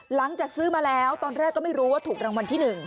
หลังจากซื้อมาแล้วตอนแรกก็ไม่รู้ว่าถูกรางวัลที่๑